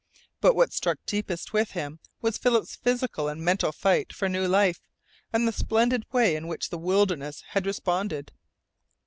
But what struck deepest with him was Philip's physical and mental fight for new life, and the splendid way in which the wilderness had responded.